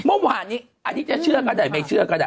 เมื่อวานนี้อันนี้จะเชื่อกันหรือไม่เชื่อกัน